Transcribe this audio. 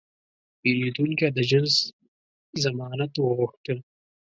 پیرودونکی د جنس ضمانت وغوښته.